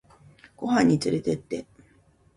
ご飯につれてって